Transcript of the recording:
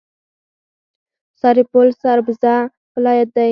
سرپل سرسبزه ولایت دی.